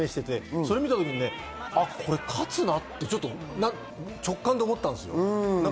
それを見たとき、あっ、これ勝つなって直感で思ったんです。